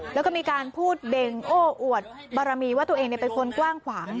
แล้วก็มีการพูดเบ่งโอ้อวดบารมีว่าตัวเองเป็นคนกว้างขวาง